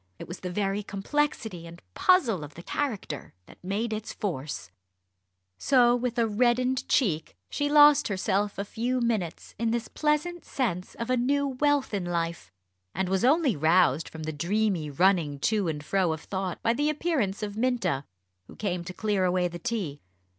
It was the very complexity and puzzle of the character that made its force. So with a reddened cheek, she lost herself a few minutes in this pleasant sense of a new wealth in life; and was only roused from the dreamy running to and fro of thought by the appearance of Minta, who came to clear away the tea.